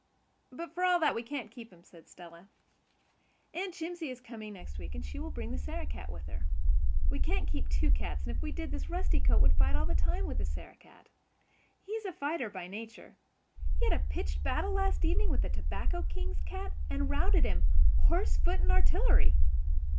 "But for all that we can't keep him," said Stella. "Aunt Jimsie is coming next week and she will bring the Sarah cat with her. We can't keep two cats; and if we did this Rusty Coat would fight all the time with the Sarah cat. He's a fighter by nature. He had a pitched battle last evening with the tobacco king's cat and routed him, horse, foot and artillery."